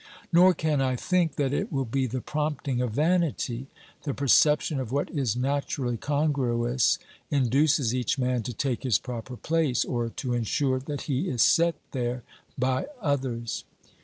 Nor can I think that it will be the prompting of vanity ; the perception of what is naturally congruous induces each man to take his proper place, or to insure that he is set there by others.